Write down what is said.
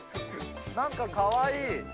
なんかかわいい。